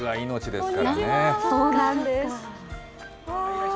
そうなんです。